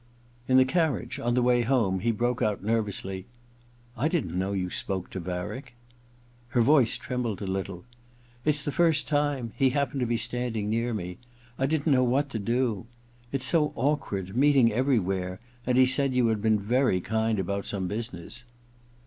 In the carriage, on the way home, he broke out nervously : *I didn't know you spoke to Varick.* Her voice trembled a little. * It's the first time — he happened to be standing near me ; I didn't know what to do. It's so awkward, meeting everywhere — and he said you had been very kind about some business.'